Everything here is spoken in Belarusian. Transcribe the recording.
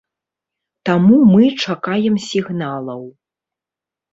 Таму мы чакаем сігналаў.